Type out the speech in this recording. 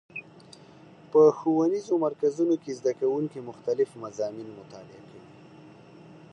په ښوونیزو مرکزونو کې زدهکوونکي مختلف مضامین مطالعه کوي.